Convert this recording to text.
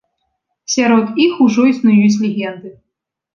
Сярод іх ужо існуюць легенды.